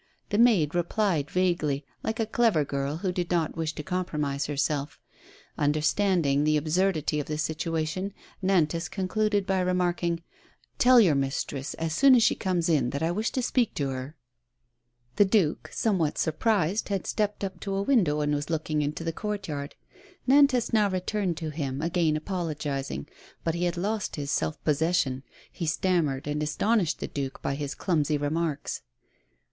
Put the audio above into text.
The maid replied vaguely, like a clever girl who did not wish to compromise herself. Understanding the absurdity of the situation, Nantas concluded by remarking: " Tell your mistress as soon as she comes in that I wish to speak to her." story are supposed to take place during the earlier 88 A SPOILED TRIUMPH. The duke, somewhat surprised, had stepped up to a window' and was looking into the court yard. Nantas now returned to him, again apologizing. But he had lost his self possession, he stammered, and astonished the duke by his clumsy remarks.